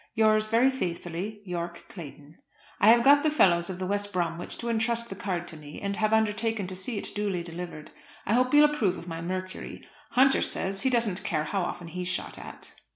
Yours very faithfully, YORKE CLAYTON. I have got the fellows of the West Bromwich to entrust the card to me, and have undertaken to see it duly delivered. I hope you'll approve of my Mercury. Hunter says he doesn't care how often he's shot at.